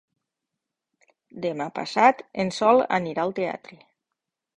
Demà passat en Sol anirà al teatre.